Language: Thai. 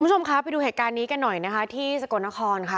คุณผู้ชมคะไปดูเหตุการณ์นี้กันหน่อยนะคะที่สกลนครค่ะ